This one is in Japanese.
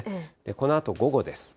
このあと午後です。